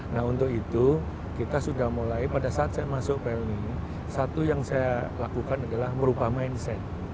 nah untuk itu kita sudah mulai pada saat saya masuk pln satu yang saya lakukan adalah merubah mindset